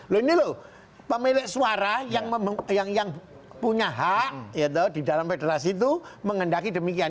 loh ini loh pemilik suara yang punya hak di dalam federasi itu menghendaki demikian